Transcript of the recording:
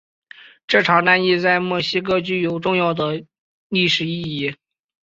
这场战役在墨西哥具有重要的历史意义。